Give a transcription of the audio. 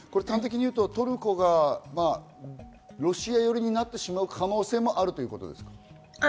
トルコがロシア寄りになってしまう可能性もあるということですか？